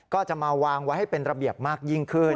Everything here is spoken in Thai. ก็จะมาวางไว้ให้เป็นระเบียบมากยิ่งขึ้น